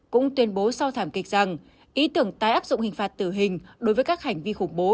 cũng tuyên bố sau thảm kịch rằng ý tưởng tái áp dụng hình phạt tử hình đối với các hành vi khủng bố